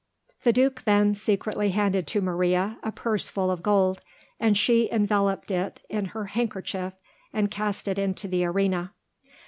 The Duke then secretly handed to Maria a purse full of gold, and she enveloped it in her handkerchief and cast it into the arena.